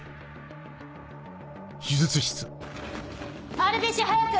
ＲＢＣ早く！